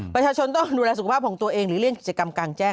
ประชาชนต้องดูแลสุขภาพของตัวเองหรือเล่นกิจกรรมกลางแจ้ง